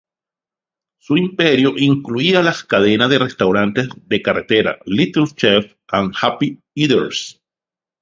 Su imperio incluía las cadenas de restaurantes de carretera "Little Chef" y "Happy Eaters".